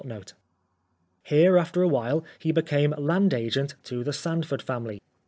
Here, after a while, he became land agent to the Sandford family.